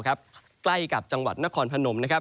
ใกล้กับจังหวัดนครพนมนะครับ